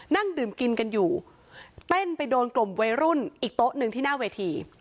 นั่งดื่มกินกันอยู่เต้นไปโดนกลุ่มวัยรุ่นอีกโต๊ะหนึ่งที่หน้าเวที